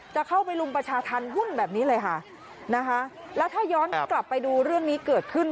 จะเข้าไปรุมประชาธรรมวุ่นแบบนี้เลยค่ะนะคะแล้วถ้าย้อนกลับไปดูเรื่องนี้เกิดขึ้น